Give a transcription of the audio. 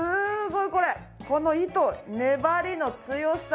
ごいこれこの糸粘りの強さ。